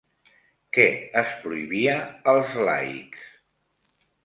Què es prohibia als laics?